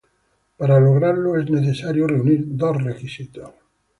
Para lograrlo es necesario reunir dos requisitos.